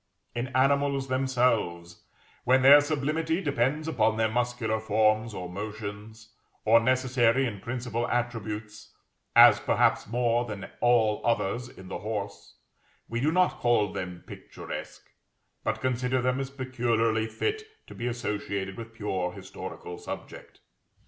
In animals themselves, when their sublimity depends upon their muscular forms or motions, or necessary and principal attributes, as perhaps more than all others in the horse, we do not call them picturesque, but consider them as peculiarly fit to be associated with pure historical subject.